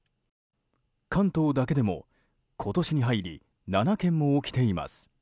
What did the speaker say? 関東だけでも今年に入り７件も起きています。